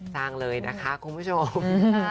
สร้างเลยนะคะคุณผู้ชม